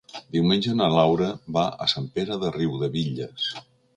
Diumenge na Laura va a Sant Pere de Riudebitlles.